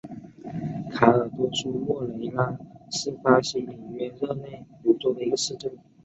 卡尔多苏莫雷拉是巴西里约热内卢州的一个市镇。